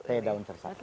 teh daun sirsak